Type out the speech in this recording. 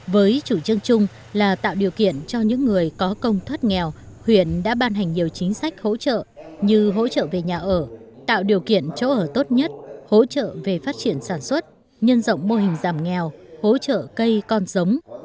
với chủ trương chung là tạo điều kiện cho những người có công thoát nghèo huyện đã ban hành nhiều chính sách hỗ trợ như hỗ trợ về nhà ở tạo điều kiện chỗ ở tốt nhất hỗ trợ về phát triển sản xuất nhân rộng mô hình giảm nghèo hỗ trợ cây con giống